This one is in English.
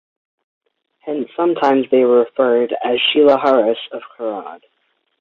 Hence sometimes they are referred as 'Shilaharas of Karad'.